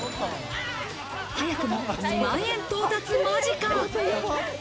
早くも２万円到達間近。